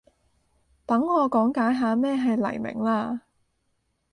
等我講解下咩係黎明啦